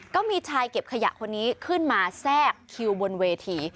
ก็มีชายเก็บขยะคนนี้ขึ้นมาแทรกคิวบนเวที